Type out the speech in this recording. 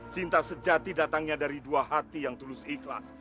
cinta sejati datangnya dari dua hati yang tulus ikhlas